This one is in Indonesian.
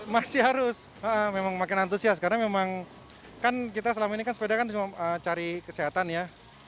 masih harus memang makin antusias karena memang kan kita selama ini kan sepeda kan cuma cari kesehatan ya